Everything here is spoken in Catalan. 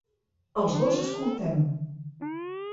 Els dos escoltem.